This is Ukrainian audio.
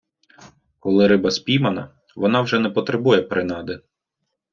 Коли риба спіймана, вона вже не потребує принади.